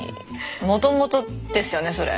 もともとですよねそれ。